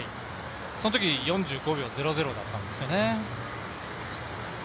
そのとき４５秒００だったんですよね。